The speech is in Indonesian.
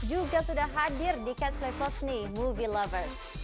juga sudah hadir di catch play plusney movie lovers